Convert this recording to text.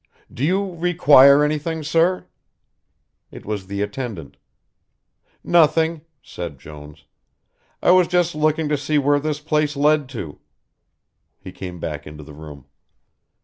"Do you require anything, sir?" It was the attendant. "Nothing," said Jones. "I was just looking to see where this place led to." He came back into the room.